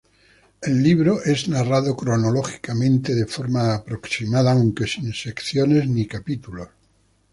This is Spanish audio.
El libro es narrado cronológicamente de forma aproximada, aunque sin secciones ni capítulos.